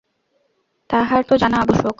তাঁহার তো জানা আবশ্যক।